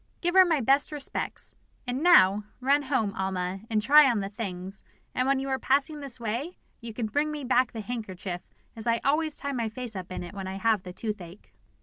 Give her my best respects. And now, run home, Alma, and try on the things, and when you are passing this way, you can bring me back the handkerchief, as I always tie my face up in it when I have the toothache."